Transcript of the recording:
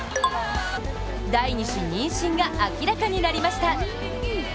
第２子妊娠が明らかになりました。